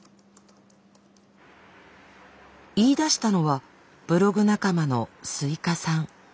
言いだしたのはブログ仲間のスイカさん。